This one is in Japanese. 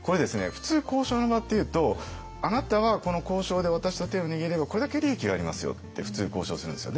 普通交渉の場っていうと「あなたはこの交渉で私と手を握ればこれだけ利益がありますよ」って普通交渉するんですよ。